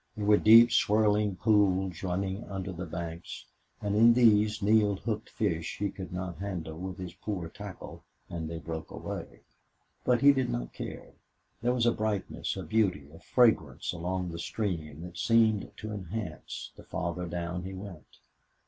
There were deep, swirling pools running under the banks, and in these Neale hooked fish he could not handle with his poor tackle, and they broke away. But he did not care. There was a brightness, a beauty, a fragrance along the stream that seemed to enhance the farther down he went.